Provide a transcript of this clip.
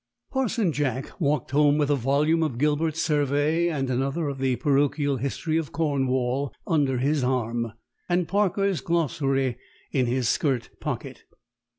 IV. Parson Jack walked home with a volume of Gilbert's Survey and another of the Parochial History of Cornwall under his arm, and Parker's Glossary in his skirt pocket.